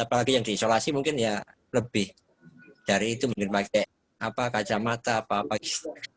apalagi yang diisolasi mungkin ya lebih dari itu mungkin pakai kacamata apa apa gitu